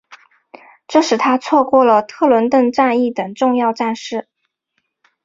这使他错过了特伦顿战役等重要战事。